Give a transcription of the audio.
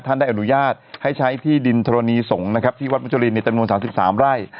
ได้อนุญาตให้ใช้ที่ดินธรณีสงฆ์นะครับที่วัดมจุลินในจำนวน๓๓ไร่